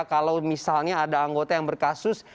kalau misalnya ada anggota yang berkasus